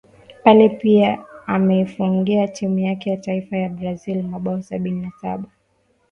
Pele pia ameifungia timu yake ya taifa ya Brazil mabao sabini na Saba